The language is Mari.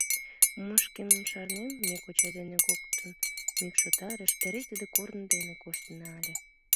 Мо шкемым шарнем, ме кочай дене коктын мӱкшотарыш эре тиде корно дене коштына ыле.